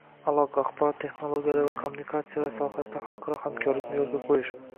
aloqa, axborot texnologiyalari va kommunikatsiyalar sohasida xalqaro hamkorlikni yo'lga qo'yish